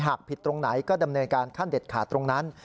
หากผิดตรงไหนก็ดำเนินการขั้นเด็ดขาดตรงนั้น